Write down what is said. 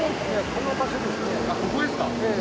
ここですか。